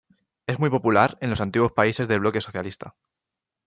Es muy popular en los antiguos países del bloque socialista.